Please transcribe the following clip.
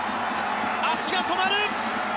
足が止まる！